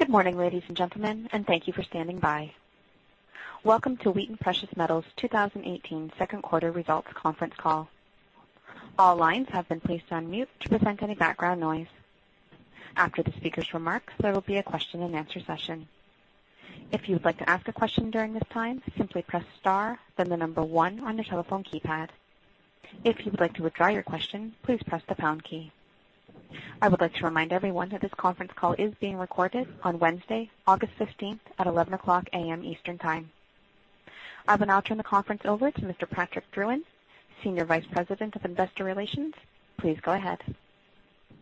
Good morning, ladies and gentlemen. Thank you for standing by. Welcome to Wheaton Precious Metals' 2018 second quarter results conference call. All lines have been placed on mute to prevent any background noise. After the speakers' remarks, there will be a question and answer session. If you would like to ask a question during this time, simply press star, then 1 on your telephone keypad. If you would like to withdraw your question, please press the pound key. I would like to remind everyone that this conference call is being recorded on Wednesday, August 15th at 11:00 A.M. Eastern Time. I will now turn the conference over to Mr. Patrick Drouin, Senior Vice President of Investor Relations. Please go ahead.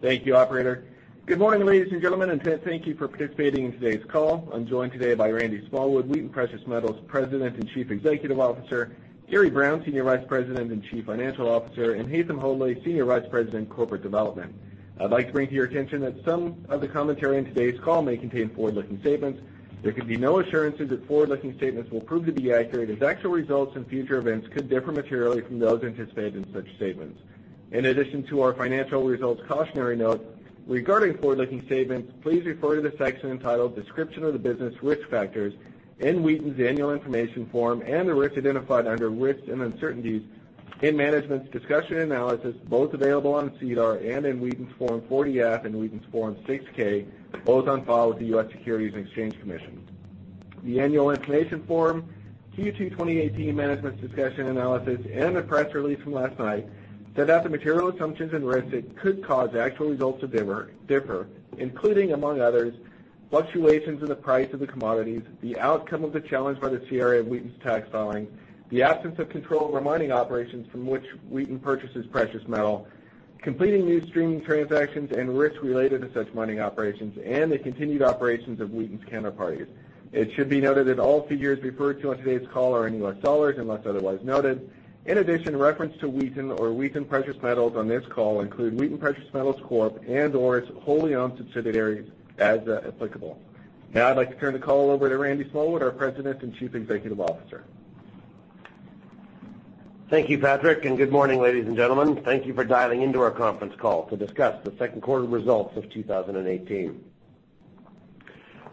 Thank you, operator. Good morning, ladies and gentlemen. Thank you for participating in today's call. I'm joined today by Randy Smallwood, Wheaton Precious Metals President and Chief Executive Officer, Gary Brown, Senior Vice President and Chief Financial Officer, and Haytham Hodaly, Senior Vice President, Corporate Development. I'd like to bring to your attention that some of the commentary in today's call may contain forward-looking statements. There can be no assurances that forward-looking statements will prove to be accurate, as actual results and future events could differ materially from those anticipated in such statements. In addition to our financial results cautionary note regarding forward-looking statements, please refer to the section entitled Description of the Business Risk Factors in Wheaton's Annual Information Form and the risks identified under Risks and Uncertainties in Management's Discussion Analysis, both available on SEDAR and in Wheaton's Form 40-F and Wheaton's Form 6-K, both on file with the U.S. Securities and Exchange Commission. The annual information form, Q2 2018 Management's Discussion Analysis, and the press release from last night set out the material assumptions and risks that could cause actual results to differ, including, among others, fluctuations in the price of the commodities, the outcome of the challenge by the CRA of Wheaton's tax filing, the absence of control over mining operations from which Wheaton purchases precious metal, completing new streaming transactions and risks related to such mining operations, and the continued operations of Wheaton's counterparties. It should be noted that all figures referred to on today's call are in U.S. dollars, unless otherwise noted. In addition, reference to Wheaton or Wheaton Precious Metals on this call include Wheaton Precious Metals Corp. and/or its wholly owned subsidiaries, as applicable. I'd like to turn the call over to Randy Smallwood, our President and Chief Executive Officer. Thank you, Patrick, good morning, ladies and gentlemen. Thank you for dialing into our conference call to discuss the second quarter results of 2018.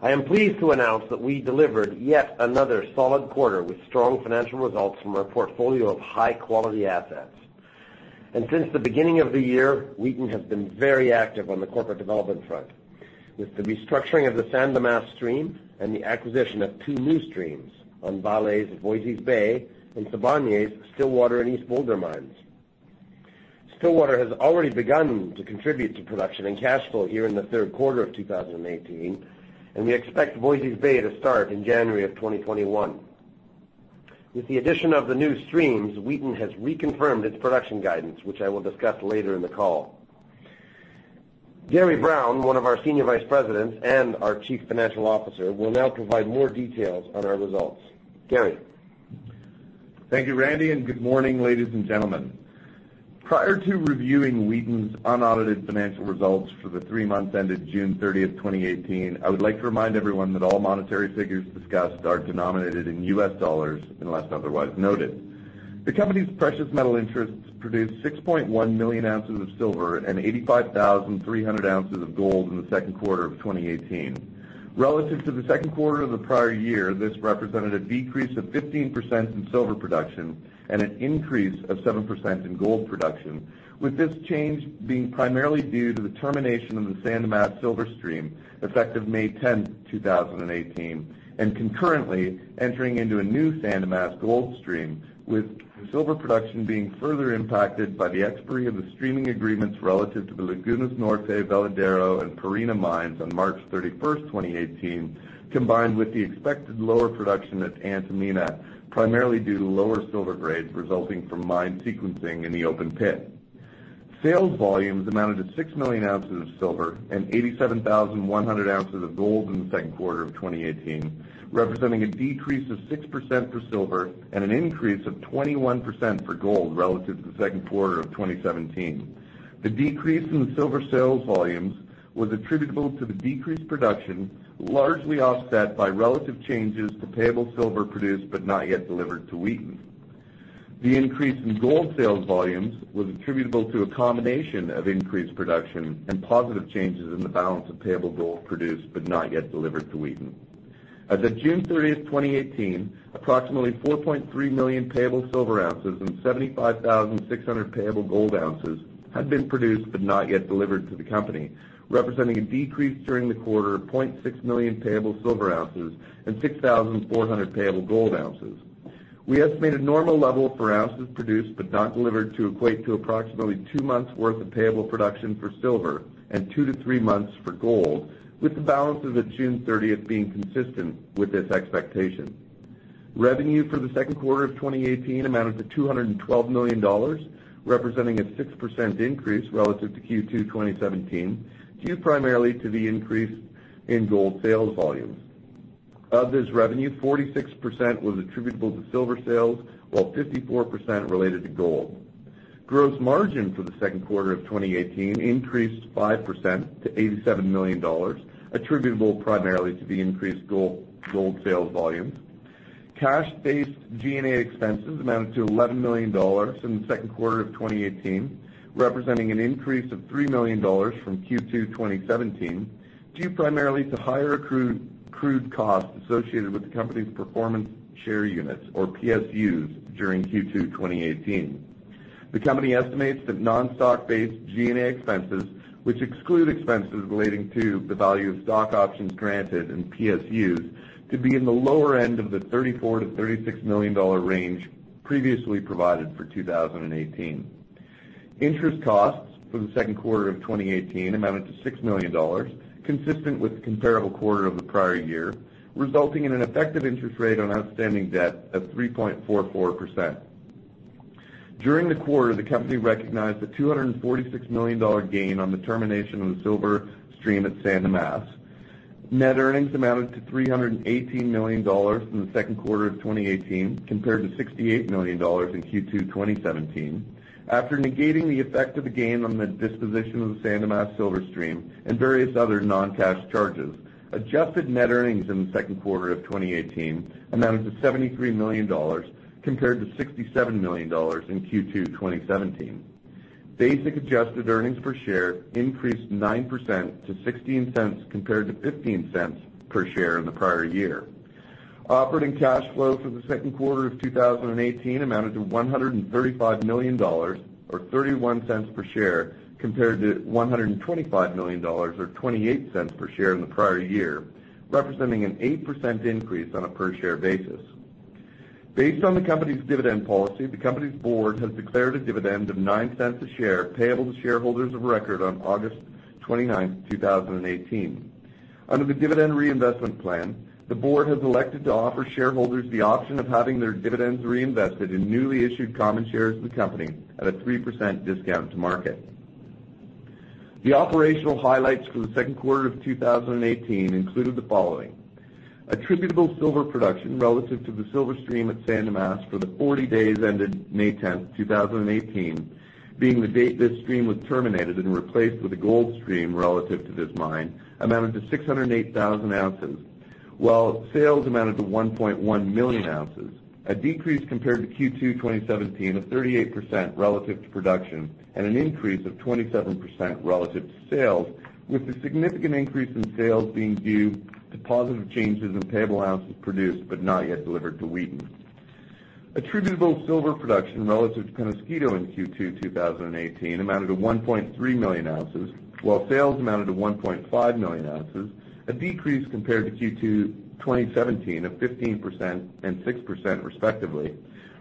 I am pleased to announce that we delivered yet another solid quarter with strong financial results from our portfolio of high-quality assets. Since the beginning of the year, Wheaton has been very active on the corporate development front with the restructuring of the San Dimas stream and the acquisition of two new streams on Vale's Voisey's Bay and Sibanye-Stillwater's Stillwater and East Boulder mines. Stillwater has already begun to contribute to production and cash flow here in the third quarter of 2018, and we expect Voisey's Bay to start in January of 2021. With the addition of the new streams, Wheaton has reconfirmed its production guidance, which I will discuss later in the call. Gary Brown, one of our Senior Vice Presidents and our Chief Financial Officer, will now provide more details on our results. Gary? Thank you, Randy, good morning, ladies and gentlemen. Prior to reviewing Wheaton's unaudited financial results for the three months ended June 30th, 2018, I would like to remind everyone that all monetary figures discussed are denominated in US dollars, unless otherwise noted. The company's precious metal interests produced 6.1 million ounces of silver and 85,300 ounces of gold in the second quarter of 2018. Relative to the second quarter of the prior year, this represented a decrease of 15% in silver production and an increase of 7% in gold production, with this change being primarily due to the termination of the San Dimas silver stream effective May 10th, 2018 and concurrently entering into a new San Dimas gold stream, with silver production being further impacted by the expiry of the streaming agreements relative to the Lagunas Norte, Veladero, and Pierina mines on March 31st, 2018, combined with the expected lower production at Antamina, primarily due to lower silver grades resulting from mine sequencing in the open pit. Sales volumes amounted to six million ounces of silver and 87,100 ounces of gold in the second quarter of 2018, representing a decrease of 6% for silver and an increase of 21% for gold relative to the second quarter of 2017. The decrease in the silver sales volumes was attributable to the decreased production, largely offset by relative changes to payable silver produced but not yet delivered to Wheaton. The increase in gold sales volumes was attributable to a combination of increased production and positive changes in the balance of payable gold produced but not yet delivered to Wheaton. As of June 30th, 2018, approximately 4.3 million payable silver ounces and 75,600 payable gold ounces had been produced but not yet delivered to the company, representing a decrease during the quarter of 0.6 million payable silver ounces and 6,400 payable gold ounces. We estimate a normal level for ounces produced but not delivered to equate to approximately two months' worth of payable production for silver and two to three months for gold, with the balance as of June 30th being consistent with this expectation. Revenue for the second quarter of 2018 amounted to $212 million, representing a 6% increase relative to Q2 2017, due primarily to the increase in gold sales volumes. Of this revenue, 46% was attributable to silver sales, while 54% related to gold. Gross margin for the second quarter of 2018 increased 5% to $87 million, attributable primarily to the increased gold sales volumes. Cash base G&A expenses amounted to $11 million in the second quarter of 2018, representing an increase of $3 million from Q2 2017, due primarily to higher accrued costs associated with the company's Performance Share Units, or PSUs, during Q2 2018. The company estimates that non-stock-based G&A expenses, which exclude expenses relating to the value of stock options granted and PSUs, to be in the lower end of the $34 million-$36 million range previously provided for 2018. Interest costs for the second quarter of 2018 amounted to $6 million, consistent with the comparable quarter of the prior year, resulting in an effective interest rate on outstanding debt of 3.44%. During the quarter, the company recognized a $246 million gain on the termination of the silver stream at San Dimas. Net earnings amounted to $318 million in the second quarter of 2018, compared to $68 million in Q2 2017. After negating the effect of the gain on the disposition of the San Dimas silver stream and various other non-cash charges, adjusted net earnings in the second quarter of 2018 amounted to $73 million, compared to $67 million in Q2 2017. Basic adjusted earnings per share increased 9% to $0.16, compared to $0.15 per share in the prior year. Operating cash flow for the second quarter of 2018 amounted to $135 million, or $0.31 per share, compared to $125 million or $0.28 per share in the prior year, representing an 8% increase on a per share basis. Based on the company's dividend policy, the company's board has declared a dividend of $0.09 a share payable to shareholders of record on August 29th, 2018. Under the dividend reinvestment plan, the board has elected to offer shareholders the option of having their dividends reinvested in newly issued common shares of the company at a 3% discount to market. The operational highlights for the second quarter of 2018 included the following. Attributable silver production relative to the silver stream at San Dimas for the 40 days ended May 10th, 2018, being the date this stream was terminated and replaced with a gold stream relative to this mine, amounted to 608,000 ounces, while sales amounted to 1.1 million ounces, a decrease compared to Q2 2017 of 38% relative to production and an increase of 27% relative to sales, with the significant increase in sales being due to positive changes in payable ounces produced but not yet delivered to Wheaton. Attributable silver production relative to Peñasquito in Q2 2018 amounted to 1.3 million ounces, while sales amounted to 1.5 million ounces, a decrease compared to Q2 2017 of 15% and 6% respectively,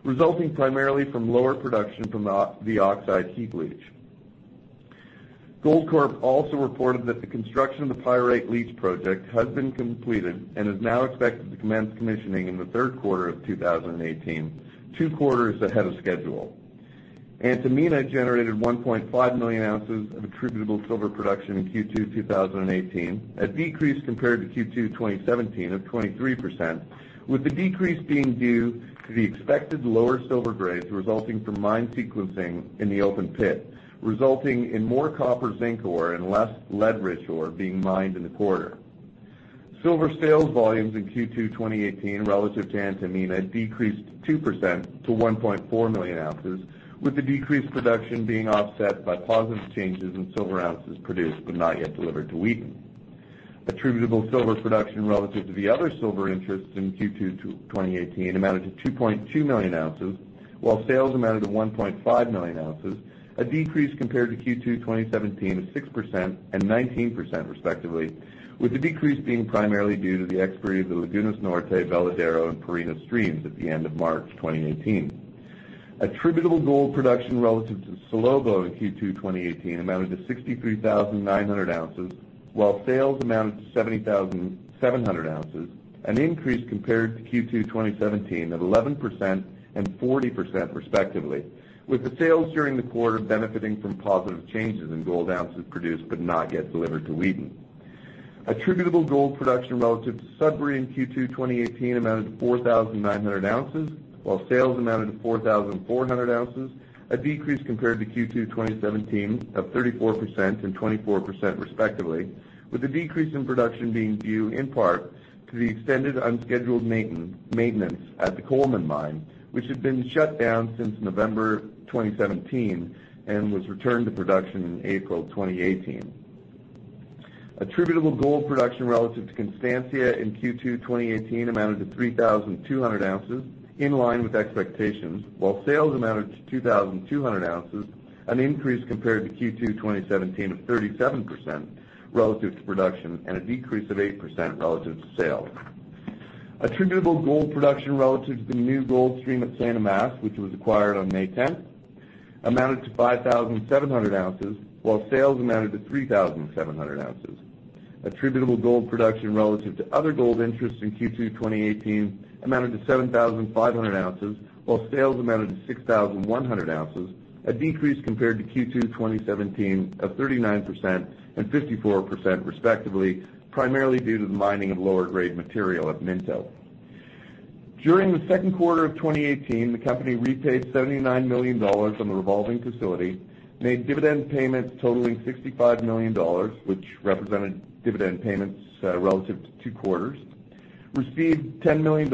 resulting primarily from lower production from the oxide heap leach. Goldcorp also reported that the construction of the pyrite leach project has been completed and is now expected to commence commissioning in the third quarter of 2018, two quarters ahead of schedule. Antamina generated 1.5 million ounces of attributable silver production in Q2 2018, a decrease compared to Q2 2017 of 23%, with the decrease being due to the expected lower silver grades resulting from mine sequencing in the open pit, resulting in more copper zinc ore and less lead rich ore being mined in the quarter. Silver sales volumes in Q2 2018 relative to Antamina decreased 2% to 1.4 million ounces, with the decreased production being offset by positive changes in silver ounces produced but not yet delivered to Wheaton. Attributable silver production relative to the other silver interests in Q2 2018 amounted to 2.2 million ounces, while sales amounted to 1.5 million ounces, a decrease compared to Q2 2017 of 6% and 19% respectively, with the decrease being primarily due to the expiry of the Lagunas Norte, Veladero, and Pierina streams at the end of March 2018. Attributable gold production relative to Salobo in Q2 2018 amounted to 63,900 ounces, while sales amounted to 70,700 ounces, an increase compared to Q2 2017 of 11% and 40% respectively, with the sales during the quarter benefiting from positive changes in gold ounces produced but not yet delivered to Wheaton. Attributable gold production relative to Sudbury in Q2 2018 amounted to 4,900 ounces, while sales amounted to 4,400 ounces, a decrease compared to Q2 2017 of 34% and 24% respectively, with the decrease in production being due in part to the extended unscheduled maintenance at the Coleman mine, which had been shut down since November 2017 and was returned to production in April 2018. Attributable gold production relative to Constancia in Q2 2018 amounted to 3,200 ounces, in line with expectations, while sales amounted to 2,200 ounces, an increase compared to Q2 2017 of 37% relative to production and a decrease of 8% relative to sales. Attributable gold production relative to the new gold stream at San Dimas, which was acquired on May 10th, amounted to 5,700 ounces, while sales amounted to 3,700 ounces. Attributable gold production relative to other gold interests in Q2 2018 amounted to 7,500 ounces, while sales amounted to 6,100 ounces, a decrease compared to Q2 2017 of 39% and 54% respectively, primarily due to the mining of lower grade material at Minto. During the second quarter of 2018, the company repaid $79 million on the revolving facility, made dividend payments totaling $65 million, which represented dividend payments relative to two quarters, received $10 million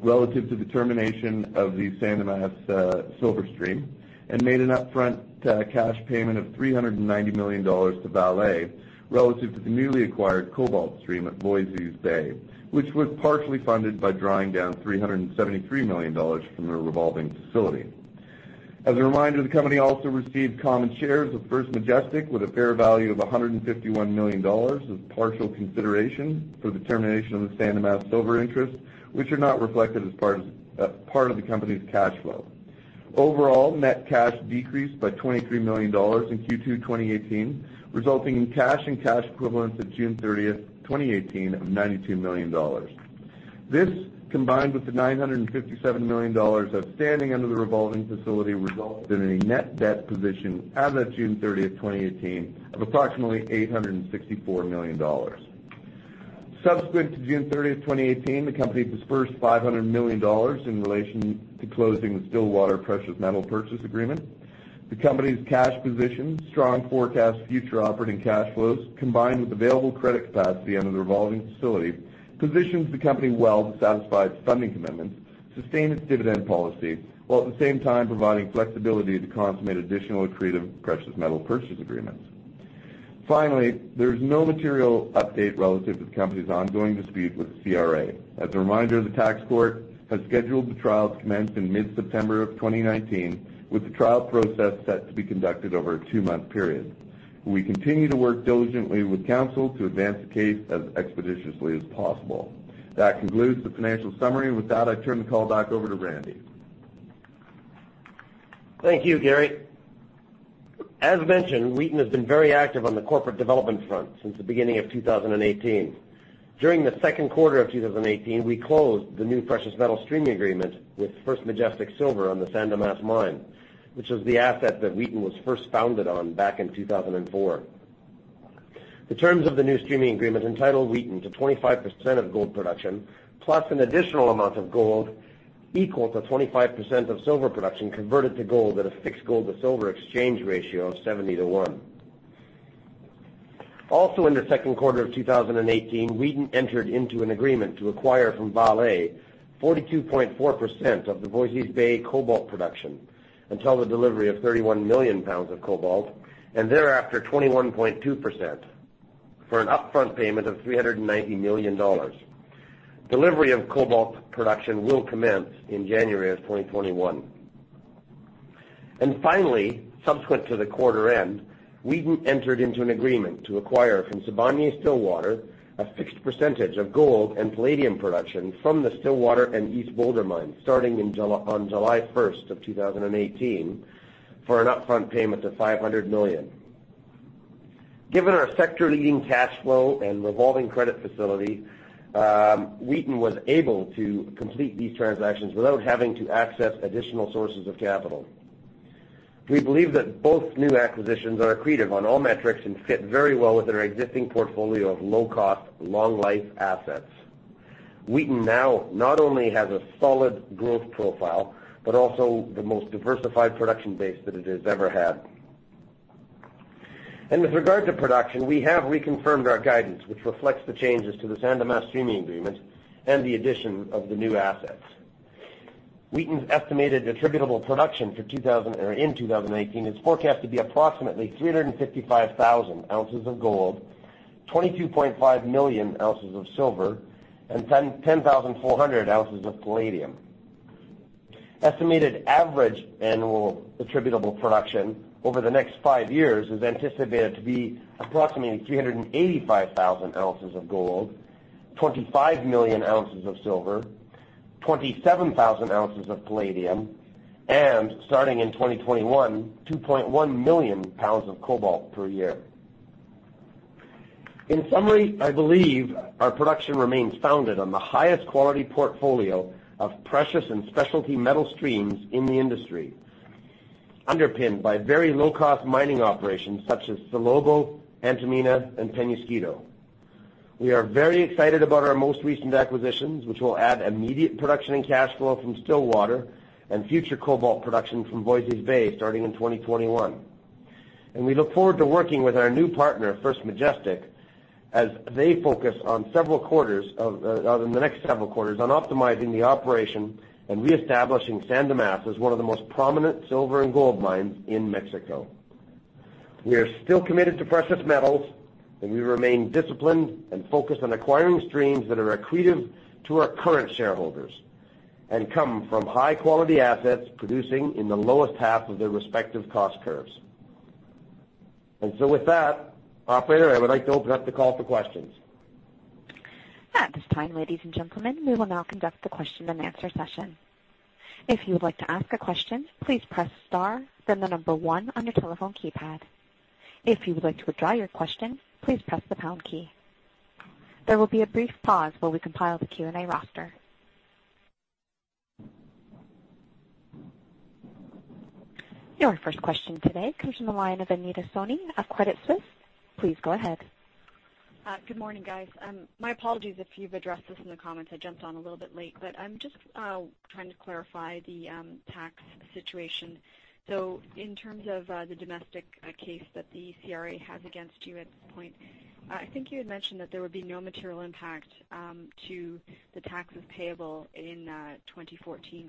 relative to the termination of the San Dimas silver stream and made an upfront cash payment of $390 million to Vale relative to the newly acquired cobalt stream at Voisey's Bay, which was partially funded by drawing down $373 million from the revolving facility. As a reminder, the company also received common shares of First Majestic with a fair value of $151 million of partial consideration for the termination of the San Dimas silver interest, which are not reflected as part of the company's cash flow. Overall, net cash decreased by $23 million in Q2 2018, resulting in cash and cash equivalents at June 30th, 2018, of $92 million. This, combined with the $957 million outstanding under the revolving facility, resulted in a net debt position as of June 30th, 2018, of approximately $864 million. Subsequent to June 30th, 2018, the company disbursed $500 million in relation to closing the Stillwater precious metal purchase agreement. The company's cash position, strong forecast future operating cash flows, combined with available credit capacity under the revolving facility, positions the company well to satisfy its funding commitments, sustain its dividend policy, while at the same time providing flexibility to consummate additional accretive precious metal purchase agreements. Finally, there's no material update relative to the company's ongoing dispute with the CRA. As a reminder, the tax court has scheduled the trial to commence in mid-September of 2019, with the trial process set to be conducted over a two-month period. We continue to work diligently with counsel to advance the case as expeditiously as possible. That concludes the financial summary. With that, I turn the call back over to Randy. Thank you, Gary. As mentioned, Wheaton has been very active on the corporate development front since the beginning of 2018. During the second quarter of 2018, we closed the new precious metal streaming agreement with First Majestic Silver on the San Dimas mine, which is the asset that Wheaton was first founded on back in 2004. The terms of the new streaming agreement entitle Wheaton to 25% of gold production, plus an additional amount of gold equal to 25% of silver production converted to gold at a fixed gold-to-silver exchange ratio of 70:1. Also, in the second quarter of 2018, Wheaton entered into an agreement to acquire from Vale 42.4% of the Voisey's Bay cobalt production until the delivery of 31 million pounds of cobalt, and thereafter, 21.2%, for an upfront payment of $390 million. Delivery of cobalt production will commence in January of 2021. Finally, subsequent to the quarter end, Wheaton entered into an agreement to acquire from Sibanye-Stillwater a fixed percentage of gold and palladium production from the Stillwater and East Boulder mine starting on July 1st of 2018, for an upfront payment of $500 million. Given our sector-leading cash flow and revolving credit facility, Wheaton was able to complete these transactions without having to access additional sources of capital. We believe that both new acquisitions are accretive on all metrics and fit very well with our existing portfolio of low-cost, long-life assets. Wheaton now not only has a solid growth profile, but also the most diversified production base that it has ever had. With regard to production, we have reconfirmed our guidance, which reflects the changes to the San Dimas streaming agreement and the addition of the new assets. Wheaton's estimated attributable production in 2018 is forecast to be approximately 355,000 ounces of gold, 22.5 million ounces of silver, and 10,400 ounces of palladium. Estimated average annual attributable production over the next five years is anticipated to be approximately 385,000 ounces of gold, 25 million ounces of silver, 27,000 ounces of palladium, and starting in 2021, 2.1 million pounds of cobalt per year. In summary, I believe our production remains founded on the highest quality portfolio of precious and specialty metal streams in the industry, underpinned by very low-cost mining operations such as Salobo, Antamina, and Peñasquito. We are very excited about our most recent acquisitions, which will add immediate production and cash flow from Stillwater and future cobalt production from Voisey's Bay starting in 2021. We look forward to working with our new partner, First Majestic, as they focus in the next several quarters on optimizing the operation and reestablishing San Dimas as one of the most prominent silver and gold mines in Mexico. We are still committed to precious metals, and we remain disciplined and focused on acquiring streams that are accretive to our current shareholders and come from high-quality assets producing in the lowest half of their respective cost curves. With that, operator, I would like to open up the call for questions. At this time, ladies and gentlemen, we will now conduct the question-and-answer session. If you would like to ask a question, please press star, then the number 1 on your telephone keypad. If you would like to withdraw your question, please press the pound key. There will be a brief pause while we compile the Q&A roster. Your first question today comes from the line of Anita Soni of Credit Suisse. Please go ahead. Good morning, guys. My apologies if you've addressed this in the comments. I jumped on a little bit late. I'm just trying to clarify the tax situation. In terms of the domestic case that the Canada Revenue Agency has against you at this point, I think you had mentioned that there would be no material impact to the taxes payable in 2014, 2015,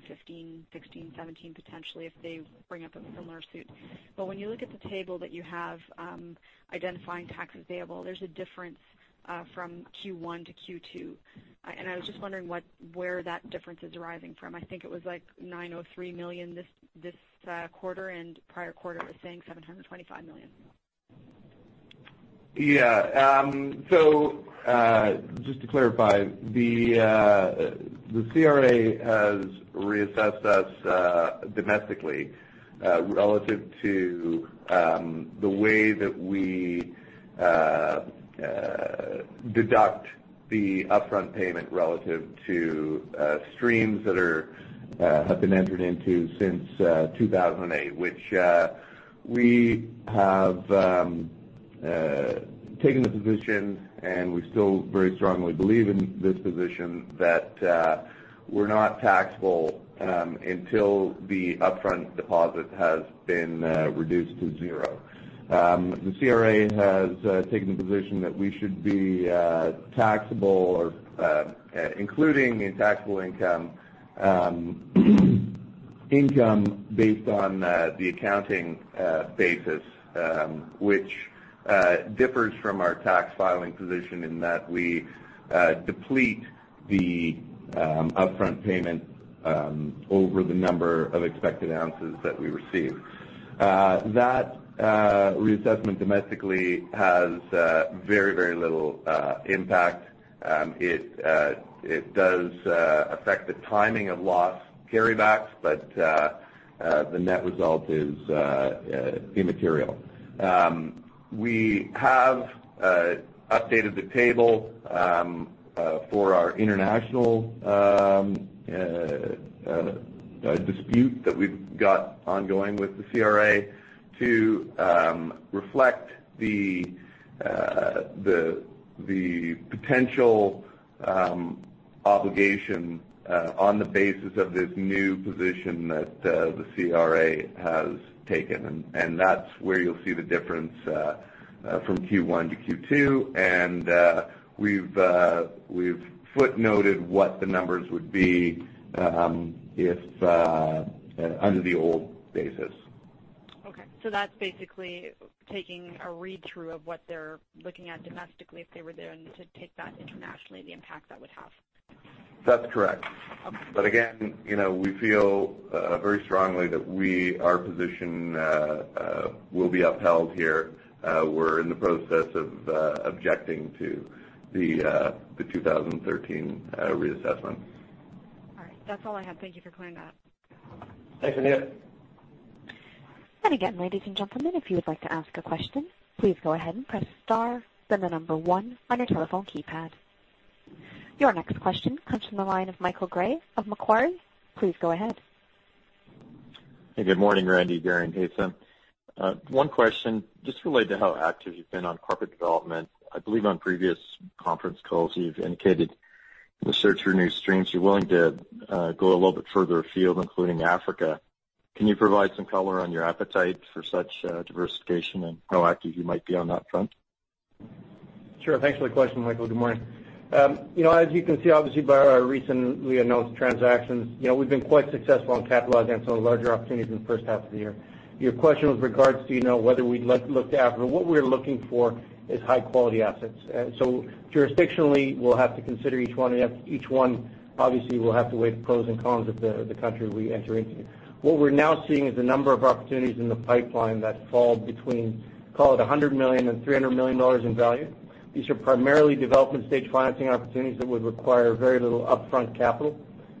2016, 2017, potentially, if they bring up a similar suit. When you look at the table that you have identifying taxes payable, there's a difference from Q1 to Q2. I was just wondering where that difference is deriving from. I think it was like $903 million this quarter, and prior quarter it was saying $725 million. Yeah. Just to clarify, the Canada Revenue Agency has reassessed us domestically relative to the way that we deduct the upfront payment relative to streams that have been entered into since 2008, which we have taken the position, and we still very strongly believe in this position, that we're not taxable until the upfront deposit has been reduced to zero. The Canada Revenue Agency has taken the position that we should be taxable or including in taxable income based on the accounting basis, which differs from our tax filing position in that we deplete the upfront payment over the number of expected ounces that we receive. That reassessment domestically has very, very little impact. It does affect the timing of loss carry backs, but the net result is immaterial. We have updated the table for our international dispute that we've got ongoing with the Canada Revenue Agency to reflect the potential obligation on the basis of this new position that the Canada Revenue Agency has taken, and that's where you'll see the difference from Q1 to Q2. We've footnoted what the numbers would be under the old basis. Okay. That's basically taking a read-through of what they're looking at domestically, if they were then to take that internationally, the impact that would have. That's correct. Okay. Again, we feel very strongly that our position will be upheld here. We're in the process of objecting to the 2013 reassessment. All right. That's all I have. Thank you for clearing that up. Thanks, Anita. ladies and gentlemen, if you would like to ask a question, please go ahead and press star then the number one on your telephone keypad. Your next question comes from the line of Michael Gray of Macquarie. Please go ahead. Hey, good morning, Randy, Gary and Haytham. One question, just related to how active you've been on corporate development. I believe on previous conference calls, you've indicated in the search for new streams, you're willing to go a little bit further afield, including Africa. Can you provide some color on your appetite for such diversification and how active you might be on that front? Sure. Thanks for the question, Michael. Good morning. As you can see, obviously by our recently announced transactions, we've been quite successful in capitalizing on some larger opportunities in the first half of the year. Your question was regards to whether we'd looked to Africa. What we're looking for is high-quality assets. Jurisdictionally, we'll have to consider each one, obviously we'll have to weigh the pros and cons of the country we enter into. What we're now seeing is a number of opportunities in the pipeline that fall between, call it $100 million and $300 million in value. These are primarily development stage financing opportunities that would require very little upfront capital,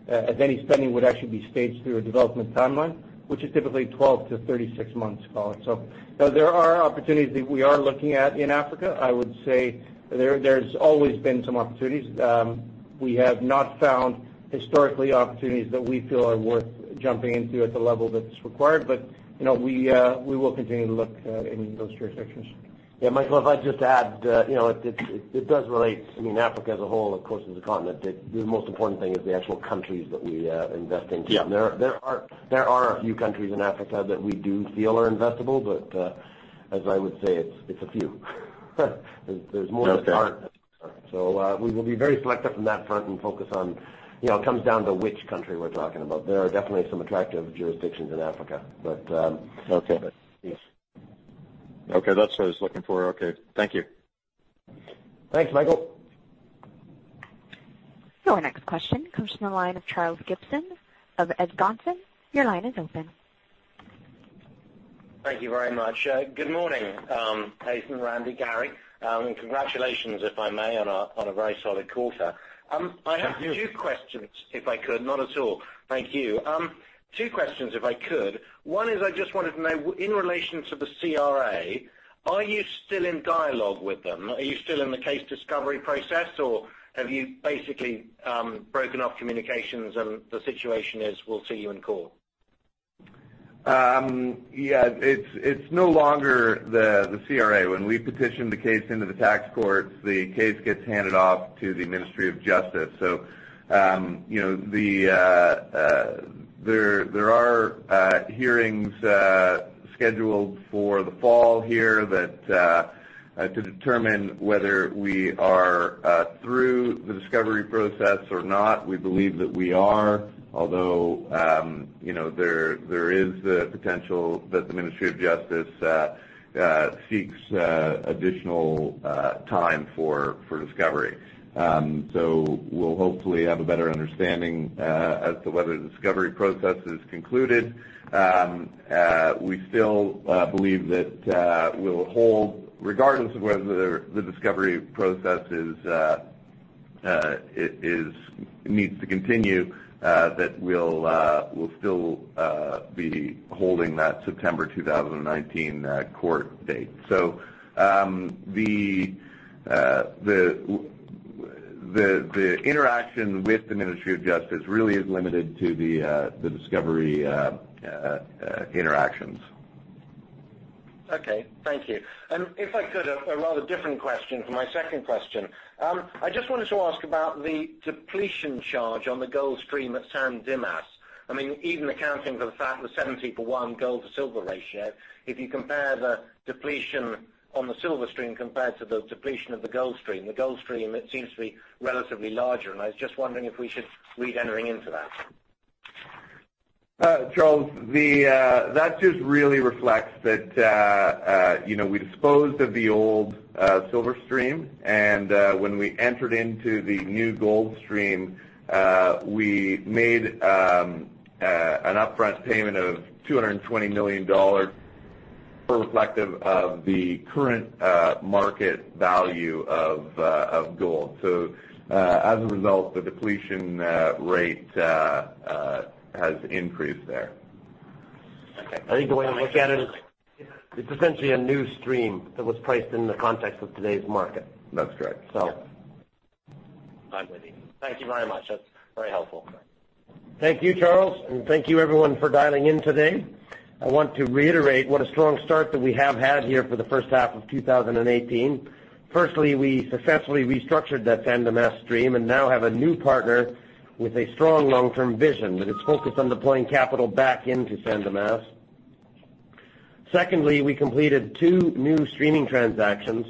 as any spending would actually be staged through a development timeline, which is typically 12 to 36 months, call it. There are opportunities that we are looking at in Africa. I would say there's always been some opportunities. We have not found, historically, opportunities that we feel are worth jumping into at the level that's required. We will continue to look in those jurisdictions. Yeah, Michael, if I'd just add, it does relate, Africa as a whole, of course, is a continent that the most important thing is the actual countries that we invest into. Yeah. There are a few countries in Africa that we do feel are investable, as I would say, it's a few. There's more that aren't. Okay. We will be very selective on that front and focus on, it comes down to which country we're talking about. There are definitely some attractive jurisdictions in Africa. Okay yes. Okay. That's what I was looking for. Okay. Thank you. Thanks, Michael. Your next question comes from the line of Charles Gibson of Edison. Your line is open. Thank you very much. Good morning, Haytham, Randy, Gary. Congratulations, if I may, on a very solid quarter. Thank you. I have two questions, if I could. Not at all. Thank you. Two questions, if I could. One is I just wanted to know, in relation to the CRA, are you still in dialogue with them? Are you still in the case discovery process, or have you basically broken off communications and the situation is, we'll see you in court? Yeah, it's no longer the CRA. When we petition the case into the tax courts, the case gets handed off to the Department of Justice. There are hearings scheduled for the fall here to determine whether we are through the discovery process or not. We believe that we are, although there is the potential that the Department of Justice seeks additional time for discovery. We'll hopefully have a better understanding as to whether the discovery process is concluded. We still believe that, regardless of whether the discovery process needs to continue, that we'll still be holding that September 2019 court date. The interaction with the Department of Justice really is limited to the discovery interactions. Okay, thank you. If I could, a rather different question for my second question. I just wanted to ask about the depletion charge on the gold stream at San Dimas. Even accounting for the fact of the 70:1 gold to silver ratio, if you compare the depletion on the silver stream compared to the depletion of the gold stream, it seems to be relatively larger, and I was just wondering if we should read entering into that? Charles, that just really reflects that we disposed of the old silver stream, and when we entered into the new gold stream, we made an upfront payment of $220 million reflective of the current market value of gold. As a result, the depletion rate has increased there. Okay. I think the way I look at it is, it's essentially a new stream that was priced in the context of today's market. That's correct. So I agree. Thank you very much. That's very helpful. Thank you, Charles, and thank you everyone for dialing in today. I want to reiterate what a strong start that we have had here for the first half of 2018. Firstly, we successfully restructured that San Dimas stream and now have a new partner with a strong long-term vision that is focused on deploying capital back into San Dimas. Secondly, we completed two new streaming transactions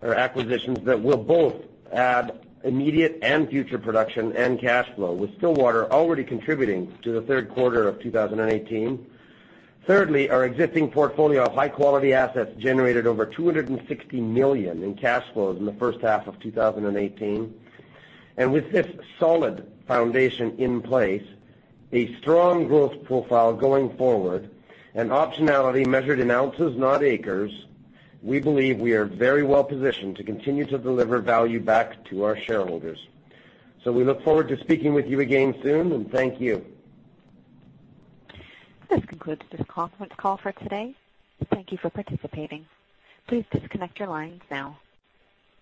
or acquisitions that will both add immediate and future production and cash flow, with Stillwater already contributing to the third quarter of 2018. Thirdly, our existing portfolio of high-quality assets generated over $260 million in cash flows in the first half of 2018. With this solid foundation in place, a strong growth profile going forward, and optionality measured in ounces, not acres, we believe we are very well positioned to continue to deliver value back to our shareholders. We look forward to speaking with you again soon, and thank you. This concludes this conference call for today. Thank you for participating. Please disconnect your lines now.